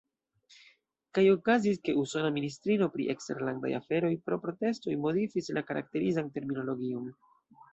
Kaj okazis, ke usona ministrino pri eksterlandaj aferoj pro protestoj modifis la karakterizan terminologion.